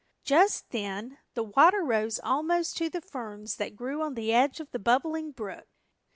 Just then the water rose almost to the ferns that grew on the edge of the Bubbling Brook.